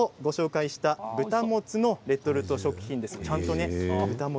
先ほど紹介した豚モツのレトルト食品です。